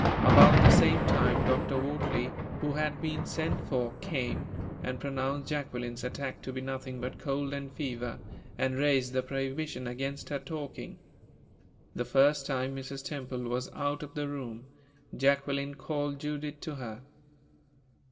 About the same time Dr. Wortley, who had been sent for, came, and pronounced Jacqueline's attack to be nothing but cold and fever, and raised the prohibition against her talking. The first time Mrs. Temple was out of the room, Jacqueline called Judith to her.